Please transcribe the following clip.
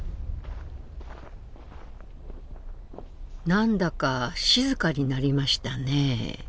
何だか静かになりましたね。